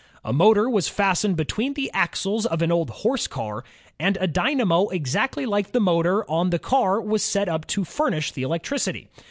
A motor was fastened between the axles of an old horse car, and a dynamo exactly like the motor on the car was set up to furnish the electricity.